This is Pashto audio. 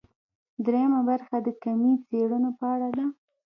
درېیمه برخه د کمي څېړنو په اړه ده.